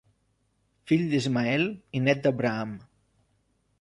Fill d'Ismael i nét d'Abraham.